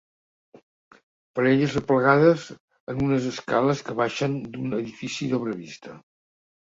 Parelles aplegades en unes escales que baixen d'un edifici d'obra vista